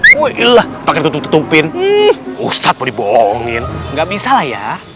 wuih lah pake tutup tutupin ustadz mau dibohongin nggak bisa lah ya